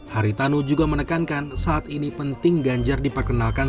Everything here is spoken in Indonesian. haritano juga menekankan saat ini penting ganjar diperkenalkan